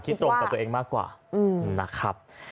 ตรงกับตัวเองมากกว่านะครับ